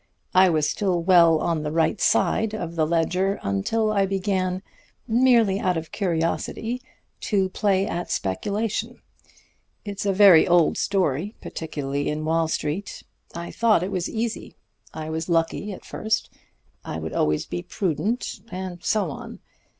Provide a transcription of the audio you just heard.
I was still well on the right side of the ledger until I began, merely out of curiosity, to play at speculation. It's a very old story particularly in Wall Street. I thought it was easy; I was lucky at first; I would always be prudent and so on.